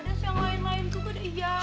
ada yang lain lain tuh kan iya